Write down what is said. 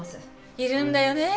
いるんだよね